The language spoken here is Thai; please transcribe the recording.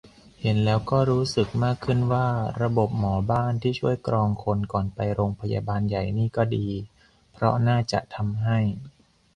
เห็นแล้วก็รู้สึกมากขึ้นว่า ระบบหมอบ้านที่ช่วยกรองคนก่อนไปโรงพยาบาลใหญ่นี่ก็ดี เพราะน่าจะทำให้